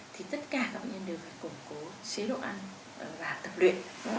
thì tất cả các bệnh nhân đều phải củng cố chế độ ăn và tập luyện